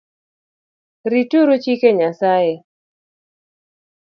Rituru chike Nyasaye